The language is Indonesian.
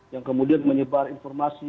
yang kemudian menyebar informasi